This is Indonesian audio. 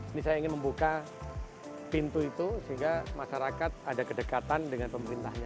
ini saya ingin membuka pintu itu sehingga masyarakat ada kedekatan dengan pemerintahnya